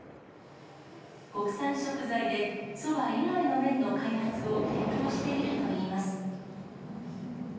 国産食材でそば以外の麺の開発を検討しているといいます。